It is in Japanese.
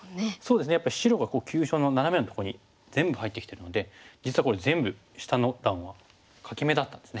やっぱり白が急所のナナメのとこに全部入ってきてるので実はこれ全部下の段は欠け眼だったんですね。